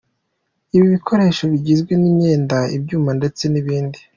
Ibi bikoresho bigizwe n’imyenda, ibyuma ndetse n’ibindi.